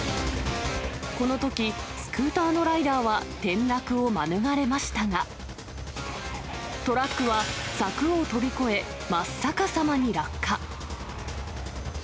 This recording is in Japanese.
このとき、スクーターのライダーは転落を免れましたが、トラックは柵を飛び越え、真っ逆さまに落下。